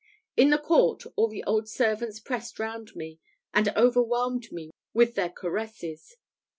In the court, all the old servants pressed round me, and overwhelmed me with their caresses.